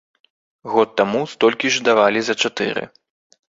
Год таму столькі ж давалі за чатыры.